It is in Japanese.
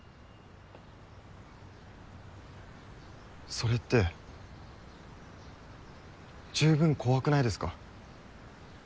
それって十分怖くないですか？